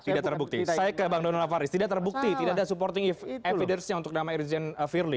tidak terbukti saya ke bang donald faris tidak terbukti tidak ada supporting evidence nya untuk nama irjen firly